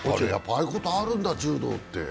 ああいうことあるんだ、柔道って。